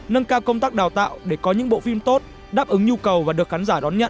nâng cao công tác đào tạo để có những bộ phim tốt đáp ứng nhu cầu và được khán giả đón nhận